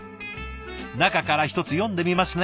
中から１つ読んでみますね。